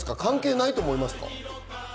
ないと思いますか？